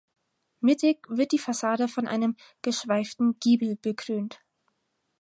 Mittig wird die Fassade von einem geschweiften Giebel bekrönt.